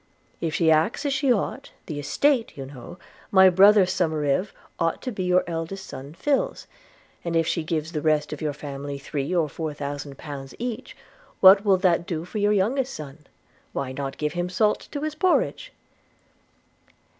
If she acts as she ought, the estate, you know, brother Somerive, ought to be your eldest son Phil's; and if she gives the rest of your family three or four thousand pounds each, what will that do for your youngest son? Why, not give him salt to his porridge.'